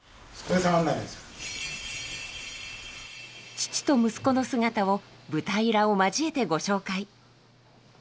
父と息子の姿を舞台裏を交えてご紹介。